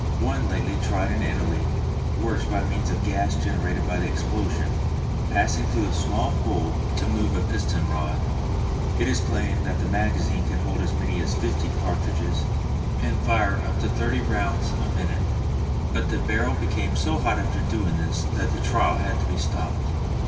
One lately tried in Italy works by means of gas generated by the explosion passing through a small hole to move a piston rod. It is claimed that the magazine can hold as many as fifty cartridges and fire up to thirty rounds a minute; but the barrel became so hot after doing this that the trial had to be stopped.